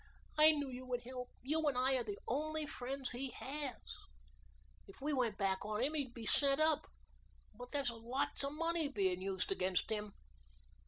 "I knew you would help. You and I are the only friends he has. If we went back on him he'd be sent up, for there's lots of money being used against him.